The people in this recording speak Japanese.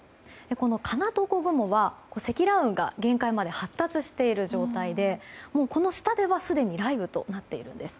このかなとこ雲は積乱雲が限界まで発達している状態でこの下ではすでに雷雨となっているんです。